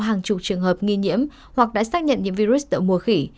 hàng chục trường hợp nghi nhiễm hoặc đã xác nhận những virus độ mùa khỉ